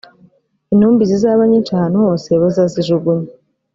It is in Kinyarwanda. intumbi zizaba nyinshi ahantu hose bazazijugunya